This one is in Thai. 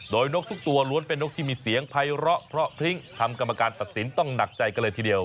โดยนกทุกตัวล้วนเป็นนกที่มีเสียงภัยร้อเพราะพริ้งทำกรรมการตัดสินต้องหนักใจกันเลยทีเดียว